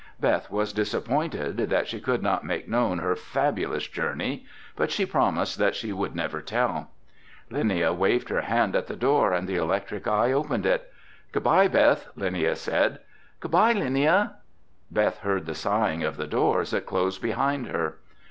Beth was disappointed that she could not make known her fabulous journey, but she promised that she would never tell. Linnia waved her hand at the door and the electric eye opened it. "Goodbye, Beth," Linnia said. "Goodbye, Linnia." Beth heard the sighing of the door as it closed behind her.